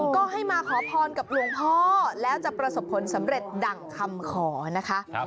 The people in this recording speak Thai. ก็ให้มาขอพรกับหลวงพ่อแล้วจะประสบผลสำเร็จดั่งคำขอนะคะ